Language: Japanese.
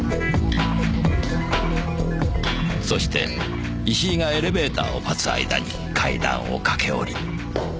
そして石井がエレベーターを待つ間に階段を駆け下り。